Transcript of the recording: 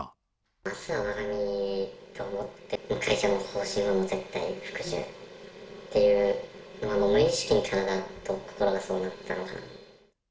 あすはわが身と思って、会社の方針は絶対服従っていう、無意識に体と心がそうなってたんだなと。